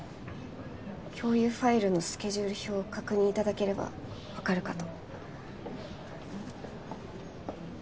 共有ファイルのスケジュール表を確認いただければ分かるかと。